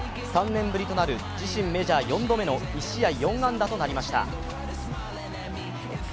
３年ぶりとなる自身メジャー４度目の１試合４安打となりました。